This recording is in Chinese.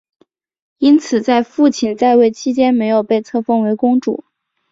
因此在父亲在位期间没有被册封为公主。